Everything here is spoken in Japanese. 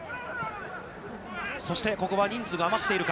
そして、ここは人数が余っているか。